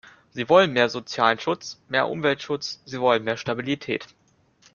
Sie wollen mehr sozialen Schutz, mehr Umweltschutz, sie wollen mehr Stabilität.